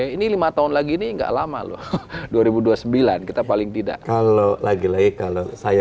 ini lima tahun lagi ini enggak lama loh dua ribu dua puluh sembilan kita paling tidak kalau lagi lagi kalau saya